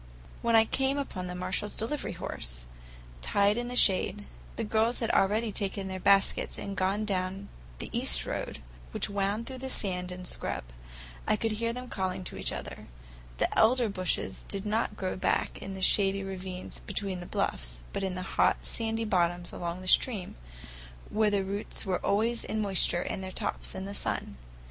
When I came upon the Marshalls' delivery horse, tied in the shade, the girls had already taken their baskets and gone down the east road which wound through the sand and scrub. I could hear them calling to each other. The elder bushes did not grow back in the shady ravines between the bluffs, but in the hot, sandy bottoms along the stream, where their roots were always in moisture and their tops in the sun.